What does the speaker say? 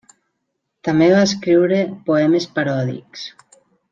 També va escriure poemes paròdics.